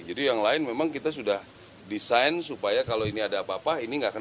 jadi yang lain memang kita sudah desain supaya kalau ini ada apa apa ini tidak kena